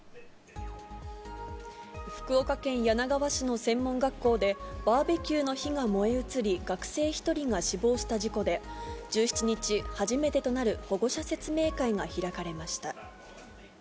福岡県柳川市の専門学校で、バーベキューの火が燃え移り学生１人が死亡した事故で、１７日、初めてとなる保護者説明会が開かれました。